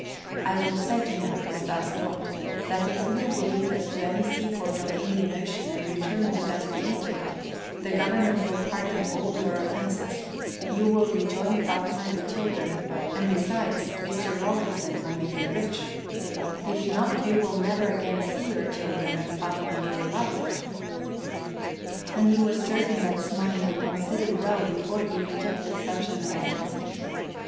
"I will say to him," Stas thought, "that if you will lead us to any seaport on the Indian Ocean and return with us to Egypt, the government will pardon all your offenses; you will rejoin Fatma and the children, and besides, Mr. Rawlinson will make you rich; if not you will never again see your children and Fatma in your life." And he was certain that Smain would consider well before he rejected such an arrangement.